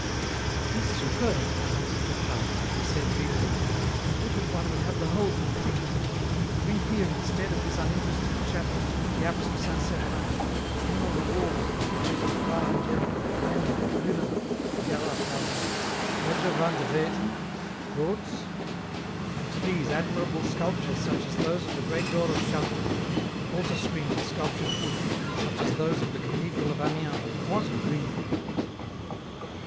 " It is superb," answered Durtal. And he said dreamily, " Would that one could have the whole complete ! to bring here, instead of this uninteresting chapel, the apse of St. Severin ; hang on the walls the pictures of Fra Angelico, Memling, Griinewald, Gerard David, Roger van den Weyden, Bouts ; add to these, admirable sculptures such as those of the great door of Chartres, altar screens of sculptured wood, such as those of the Cathedral of Amiens, what a dream